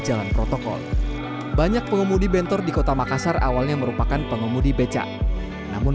jalan protokol banyak pengemudi bentor di kota makassar awalnya merupakan pengemudi becak namun